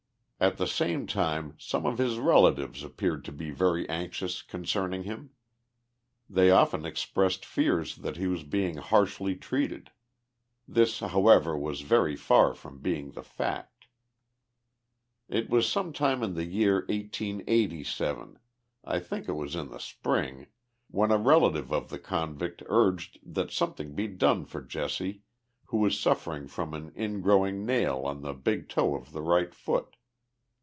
At the same time some of his relatives appeared to be very anxious concerning him. They often expressed fears that he was being harshly treated. This, however, was very far from being the fact. It was some time in the year 1SS7 ; I think it was in the Spring ; when a relative of the convict urged that something be done for Jesse, who was suffering from an ingrowing nail on the big toe of the right foot.